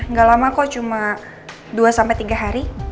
enggak lama kok cuma dua tiga hari